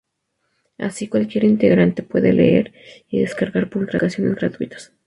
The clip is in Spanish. Así, cualquier integrante puede leer y descargar publicaciones gratuitas.